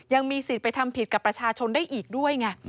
ยังมีสิทธิ์ไปทำผิดกับประชาชนได้อีกด้วยไง